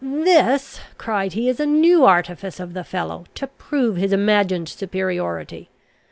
"This," cried he, "is a new artifice of the fellow, to prove his imagined superiority.